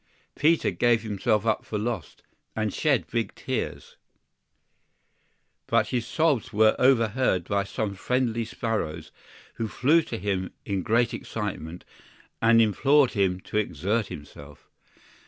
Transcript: PETER gave himself up for lost, and shed big tears; but his sobs were overheard by some friendly sparrows, who flew to him in great excitement, and implored him to exert himself.